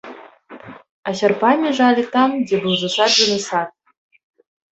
А сярпамі жалі там, дзе быў засаджаны сад.